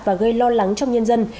và gây lo lắng trong nhân dân